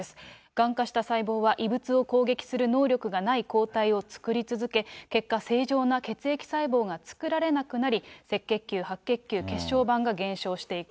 がん化した細胞は異物を攻撃する能力がない抗体を作り続け、結果、正常な血液細胞が作られなくなり、赤血球、白血球、血小板が減少していく。